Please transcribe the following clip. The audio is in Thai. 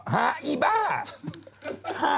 หาอีบ้า